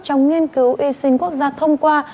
trong nghiên cứu y sinh quốc gia thông qua